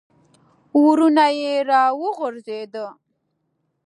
ورونه یې را وغورځېده.